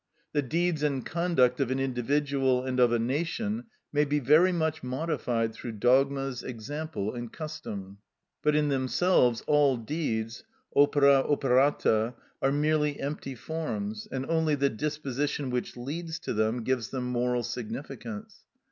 The deeds and conduct of an individual and of a nation may be very much modified through dogmas, example, and custom. But in themselves all deeds (opera operata) are merely empty forms, and only the disposition which leads to them gives them moral significance.